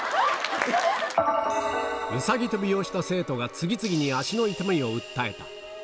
うさぎ跳びをした生徒が、次々に足の痛みを訴えた。